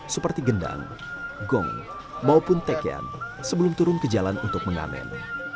seperti gendang gong maupun tekian sebelum turun ke jalan untuk mengamen